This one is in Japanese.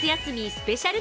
スペシャル